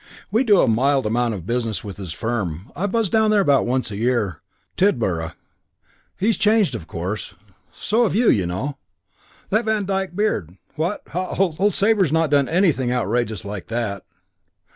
We do a mild amount of business with his firm. I buzz down there about once a year. Tidborough. He's changed, of course. So have you, you know. That Vandyke beard, what? Ha! Old Sabre's not done anything outrageous like that.